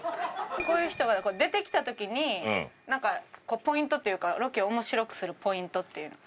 こういう人が出てきた時になんかポイントっていうかロケを面白くするポイントっていうのは？